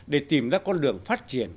để tìm ra con đường phát triển